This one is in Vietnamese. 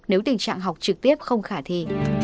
nếu tình trạng học trực tiếp không khả thi